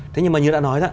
thế nhưng mà như là